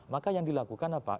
maka yang dilakukan apa